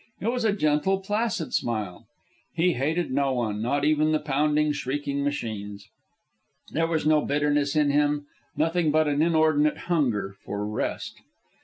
It was a gentle, placid smile. He hated no one, not even the pounding, shrieking machines. There was no bitterness in him, nothing but an inordinate hunger for rest.